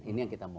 ini yang kita mau